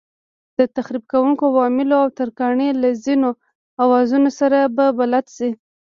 د تخریب کوونکو عواملو او ترکاڼۍ له ځینو اوزارونو سره به بلد شئ.